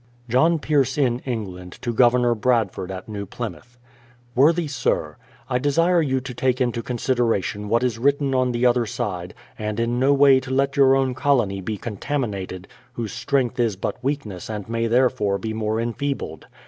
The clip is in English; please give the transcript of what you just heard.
John Pierce in England to Governor Bradford at New Plymouth: Worthy Sir, I desire you to take into consideration what is written on the other side, and in no way to let your own colonj be contaminated, whose strength is but weakness and may therefore be more en feebled.